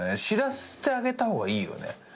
知らせてあげた方がいいよね。